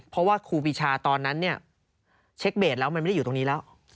เพราะว่าครูปีชาตอนนั้นเนี่ยเช็คเบสแล้วมันไม่ได้อยู่ตรงนี้แล้ว